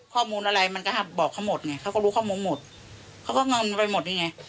ข้อมูลอะไรมันก็บอกเขาหมดไงเขาก็รู้ข้อมูลหมดเขาก็งอนไปหมดนี่ไง